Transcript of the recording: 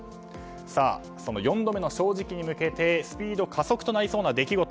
その４度目の正直に向けてスピード加速しそうな出来事。